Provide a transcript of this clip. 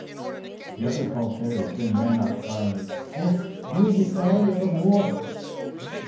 The other twelve fairies then ran up crying, "Yes, you will be sorry evermore."